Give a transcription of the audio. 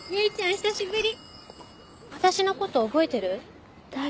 久しぶり。